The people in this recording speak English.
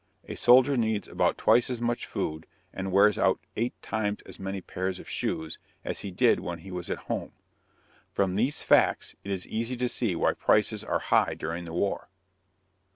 A soldier needs about twice as much food, and wears out eight times as many pairs of shoes, as he did when he was at home. From these facts it is easy to see why prices are high during the war.